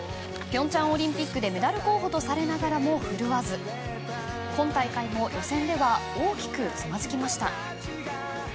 平昌オリンピックでメダル候補とされながらも振るわず今大会も予選では大きくつまずきました。